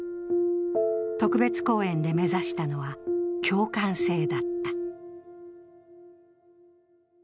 特別公演で目指したのは共感性だった。